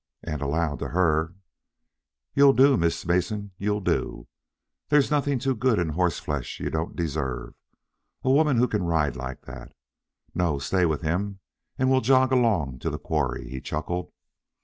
and aloud to her: "You'll do, Miss Mason; you'll do. There's nothing too good in horseflesh you don't deserve, a woman who can ride like that. No; stay with him, and we'll jog along to the quarry." He chuckled.